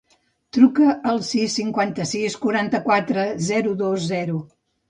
Truca al sis, cinquanta-sis, quaranta-quatre, zero, dos, zero.